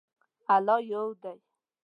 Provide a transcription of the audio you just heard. الله یو دی